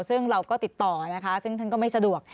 ซึ่งเราก็ติดต่อนะคะซึ่งท่านก็ไม่สะดวก